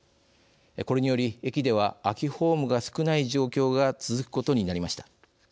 これにより、駅では空きホームが少ない状況が続くことになりました。